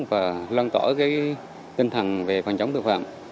và lăn tỏa cái tinh thần về phòng chống tội phạm